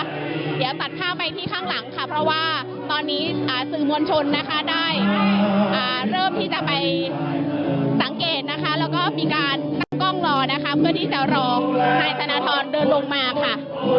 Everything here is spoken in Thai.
เดี๋ยวตัดภาพไปที่ข้างหลังค่ะเพราะว่าตอนนี้สื่อมวลชนนะคะได้เริ่มที่จะไปสังเกตนะคะแล้วก็มีการตั้งกล้องรอนะคะเพื่อที่จะรอนายธนทรเดินลงมาค่ะ